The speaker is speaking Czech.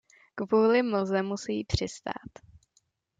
Kvůli mlze musejí přistát.